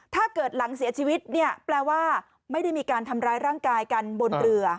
หลังเสียชีวิตเนี่ยแปลว่าไม่ได้มีการทำร้ายร่างกายกันบนเรือ